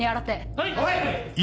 はい！